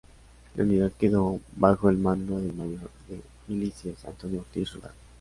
La unidad quedó bajo el mando del Mayor de milicias Antonio Ortiz Roldán.